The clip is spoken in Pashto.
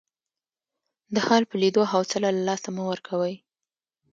د حال په لیدو حوصله له لاسه مه ورکوئ.